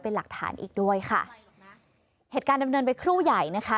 เป็นหลักฐานอีกด้วยค่ะเหตุการณ์ดำเนินไปครู่ใหญ่นะคะ